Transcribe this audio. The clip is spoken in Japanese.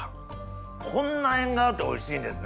こんなエンガワっておいしいんですね。